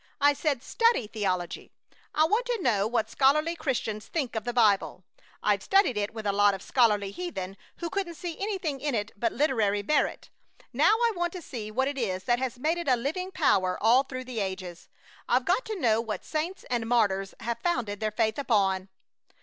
I said study theology. I want to know what scholarly Christians think of the Bible. I've studied it with a lot of scholarly heathen who couldn't see anything in it but literary merit. Now I want to see what it is that has made it a living power all through the ages. I've got to know what saints and martyrs have founded their faith upon."